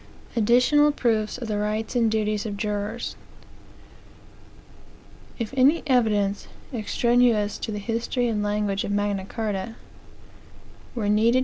ADDITIONAL PROOFS OF THE RIGHTS AND DUTIES OF JURORS If any evidence, extraneous to the history and language of Magna Carta, were needed.